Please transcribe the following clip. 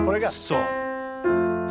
そう。